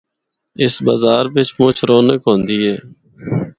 اس بازار بچ مُچ رونق ہوندی ہے۔